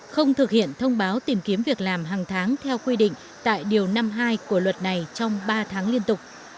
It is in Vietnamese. không thực hiện thông báo tìm kiếm việc làm hàng tháng theo quy định tại điều năm mươi hai của luật này trong ba tháng liên tục